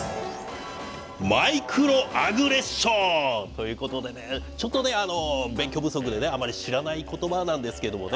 「マイクロアグレッション」ということでねちょっとね勉強不足でねあまり知らない言葉なんですけれどもね。